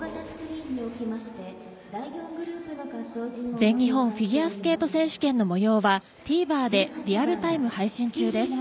全日本フィギュアスケート選手権の模様はＴＶｅｒでリアルタイム配信中です。